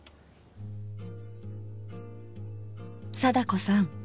貞子さん